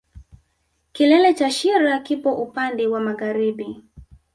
Kilele cha shira kipo upande wa magharibi